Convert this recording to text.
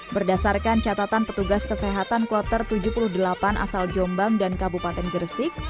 berdasarkan catatan petugas kesehatan kloter tujuh puluh delapan asal jombang dan kabupaten gresik